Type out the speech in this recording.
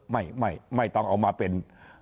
ไม่ไม่ไม่ต้องเอามาเป็น